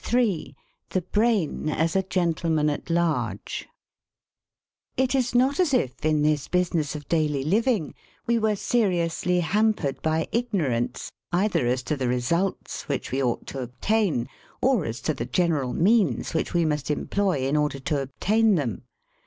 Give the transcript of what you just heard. III THE BRAIN AS A GENTLEMAN AT LARGE It is not as if, in this business of daily living, we were seriously hampered by ignorance either as to the results which we ought to obtain, or as to the general means which we must employ in order to obtain them.